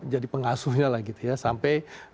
jadi pengasuhnya lah gitu ya sampai